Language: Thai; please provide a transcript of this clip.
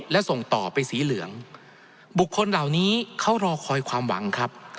และส่งต่อไปสีเหลืองบุคคลเหล่านี้เขารอคอยความหวังครับ